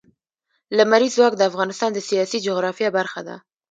لمریز ځواک د افغانستان د سیاسي جغرافیه برخه ده.